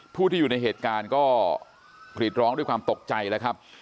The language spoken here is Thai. ผู้ที่อยู่ในเหตุการณ์ก็กรีดร้องด้วยความตกใจแล้วครับ